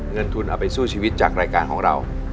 เงินทุนเอาไปสู้ชีวิตจากรายการของเรา